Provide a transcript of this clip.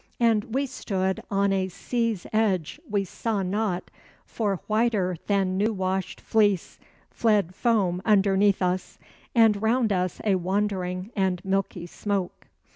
And we stood on a sea's edge we saw not; for whiter than new washed fleece Fled foam underneath us, and round us a wandering and milky smoke.